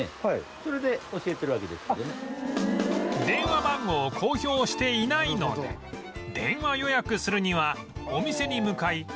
電話番号を公表していないので電話予約するにはお店に向かい